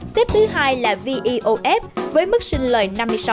xếp thứ hai là veof với mức sinh lời năm mươi sáu năm